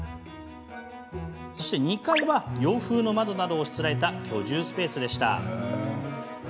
そして２階は洋風の窓などをしつらえた居住スペースでした。